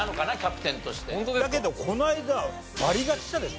だけどこの間バリ勝ちしたでしょ